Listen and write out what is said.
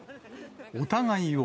お互いを。